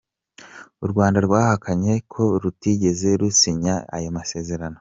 U Rwanda rwahakanye ko rutigeze rusinya ayo masezerano.